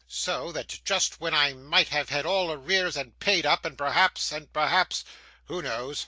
So, that just when I might have had all arrears paid up, perhaps, and perhaps who knows?